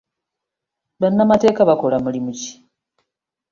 Bannamateeka bakola mulimu ki?